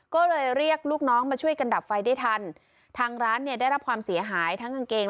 ก็เลยเรียกลูกน้องมาช่วยกันดับไฟได้ทันทางร้านเนี่ยได้รับความเสียหายทั้งกางเกง